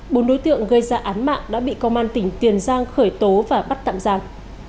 bốn đối tượng gây ra án mạng đã bị công an tỉnh tiền giang khởi tố và bắt tạm giam